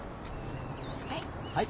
はい。